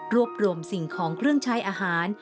รวมสิ่งของเครื่องใช้อาหาร